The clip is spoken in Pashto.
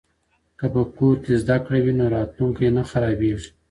که په کور کې زده کړه وي نو راتلونکی نه خرابیږي.